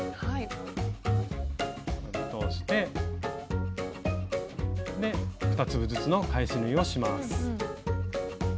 通してで２粒ずつの返し縫いをします。